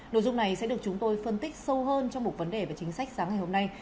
nội dung này sẽ được chúng tôi phân tích sâu hơn trong một vấn đề về chính sách sáng ngày hôm nay